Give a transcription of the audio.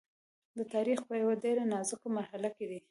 د تاریخ په یوه ډېره نازکه مرحله کې دی.